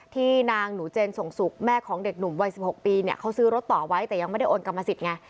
ที่นางหนูเจนส่งสุขแม่ของเด็กหนุ่มวัย๑๖ปีเนี่ยเขาซื้อรถต่อไว้แต่ยังไม่ได้โอนกรรมสิทธิ์ไง